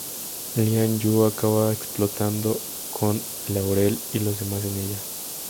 Lian Yu acaba explotando con Laurel y los demás en ella.